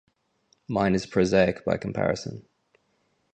Mine is prosaic by comparison.